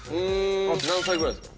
何歳ぐらいですか？